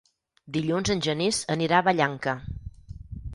Dilluns en Genís anirà a Vallanca.